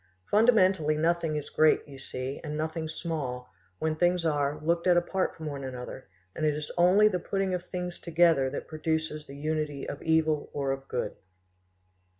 Fundamentally nothing is great, you see, and nothing small, when things are, looked at apart from one another, and it is only the putting of things together that produces the unity of evil or of good.